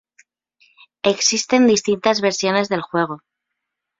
Existen distintas versiones del juego.